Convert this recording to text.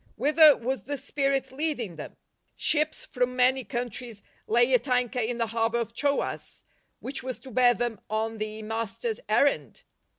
■Whither was the spirit leading them ? Ships from many countries lay at anchor in the harbour of Troas — ^which was to bear them on the Master's errand